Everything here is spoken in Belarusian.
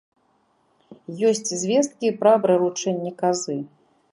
Ёсць звесткі пра прыручэнне казы.